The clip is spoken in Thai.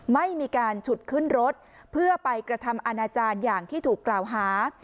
ไม่มีการฉุดขึ้นรถเพื่อไปกระทำอาณาจารย์อย่างที่ถูกกล่าวหา